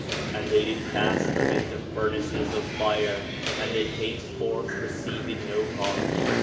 4 Nephi 1:32 And they did cast them into furnaces of fire, and they came forth receiving no harm.